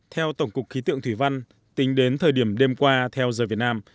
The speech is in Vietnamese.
theo tổng cục khí tượng thủy văn tính đến thời điểm đêm qua theo giờ việt nam